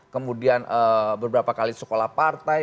kemudian beberapa kali sekolah partai